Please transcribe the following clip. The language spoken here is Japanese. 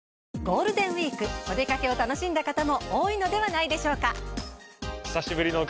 ゴールデンウイークお出掛けを楽しんだ方も多いのではないでしょうか？